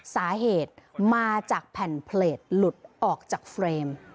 สาเหตุมาจากแผ่นเพลตหลุดออกจากเฟรม